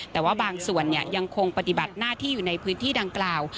แต่ว่าบางส่วนยังคงปฏิบัติหน้าที่อยู่ในพื้นที่ดังกล่าว